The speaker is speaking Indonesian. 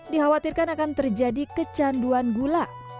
dikhawatirkan akan terjadi kecanduan gula